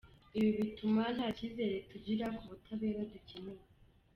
Ibi bituma nta kizere tugira ku butabera dukeneye".